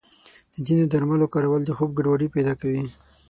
د ځینو درملو کارول د خوب ګډوډي پیدا کوي.